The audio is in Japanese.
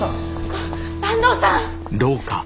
あっ坂東さん。